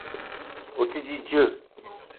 O te di dzeu